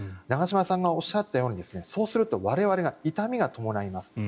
長嶋さんがおっしゃったようにそうすると我々が痛みが伴います。